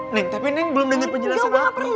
neng tapi belum denger penjelasan apa